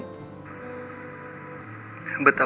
bisa mengambil hikmah dari cerita yang saya ceritakan